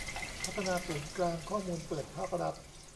พัฒนาศูนย์กลางข้อมูลเปิดภาครัฐ